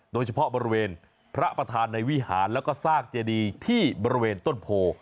โดยเฉพาะบริเวณพระประธานในวิหารแล้วก็ซากเจดีที่บริเวณต้นโพ